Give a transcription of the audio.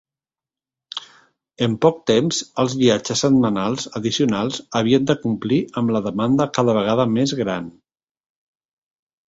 En poc temps, els viatges setmanals addicionals havien de complir amb la demanda cada vegada més gran.